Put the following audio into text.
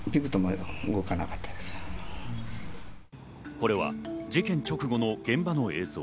これは事件直後の現場の映像。